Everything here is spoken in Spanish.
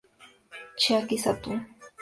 Chiaki Satō